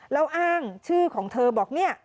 แล้วอ้างชื่อของเธอบอกเนี่ย